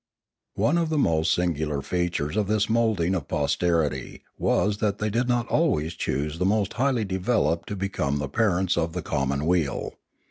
One of the most singular features of this moulding of posterity was that they did not always choose the most highly developed to become the parents of the commonweal.